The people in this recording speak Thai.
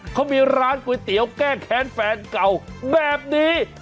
เขามีร้านก๋วยเตี๋ยวแก้แค้นแฟนเก่าแบบนี้